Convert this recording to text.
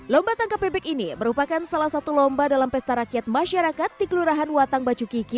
lomba tangkap bebek ini merupakan salah satu lomba dalam pesta rakyat masyarakat di kelurahan watang bacukiki